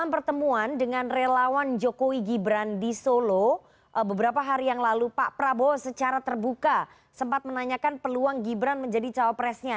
mbak nana bagaimana menurut anda peluang gibran menjadi cawapresnya